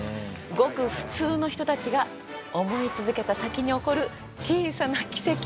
ごく普通の人たちが思い続けた先に起こる小さな奇跡。